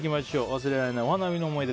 忘れられないお花見の思い出